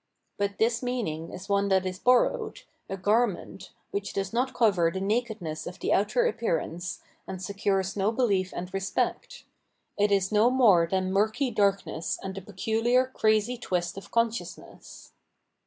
But this meaning is one that is borrowed, a garment, which does not cover the nakedness of the outer appearance, and secures no behef and respect; * As in neo Platonism. Revealed Religion 767 it is no more than murky darkness and a peculiar crazy twist of consciousness.